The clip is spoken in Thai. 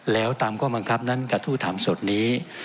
แล้วตามข้อบังคับนั้นกระทู้ถามสดนี้